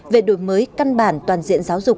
về đổi mới căn bản toàn diện giáo dục